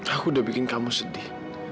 aku udah bikin kamu sedih